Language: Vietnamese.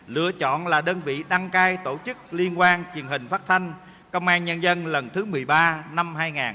lựa chọn là đơn vị đăng cai tổ chức liên quan truyền hình phát thanh công an nhân dân lần thứ một mươi ba năm hai nghìn hai mươi ba